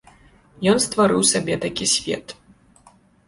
Ён стварыў сабе такі свет.